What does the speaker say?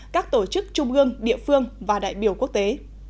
các tổ chức trung gương địa phương và đại biểu quốc tế